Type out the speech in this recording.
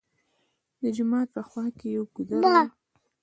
د جومات په خوا کښې يو ګودر وو